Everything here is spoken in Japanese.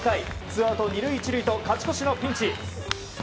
ツーアウト２塁１塁と勝ち越しのピンチ。